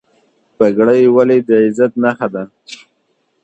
پګړۍ ولې د عزت نښه ده؟